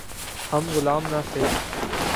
ہم غلام نہ تھے۔